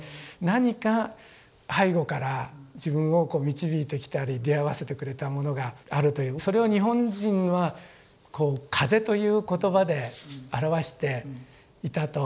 何か背後から自分をこう導いてきたり出会わせてくれたものがあるというそれを日本人はこう「風」という言葉で表していたと。